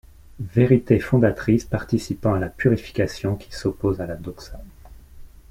Vérité fondatrice participant à la purification qui s'oppose à la doxa.